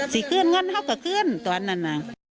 สีกลื้องั้นเข้ากับกลื้องตอนนั้นน่ะ